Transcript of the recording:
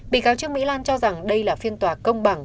bị cáo trương mỹ lan cho rằng đây là phiên tòa công bằng